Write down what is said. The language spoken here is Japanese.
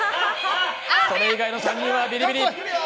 それ以外の３人はビリビリ。